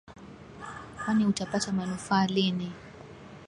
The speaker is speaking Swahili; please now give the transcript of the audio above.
Kwani utapata manufaa lini